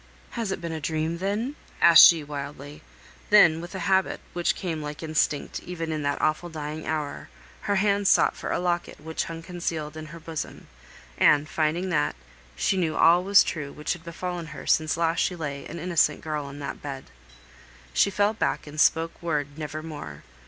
"Has it been a dream then?" asked she wildly. Then with a habit, which came like instinct even in that awful dying hour, her hand sought for a locket which hung concealed in her bosom, and, finding that, she knew all was true which had befallen her since last she lay an innocent girl on that bed. She fell back, and spoke word never more.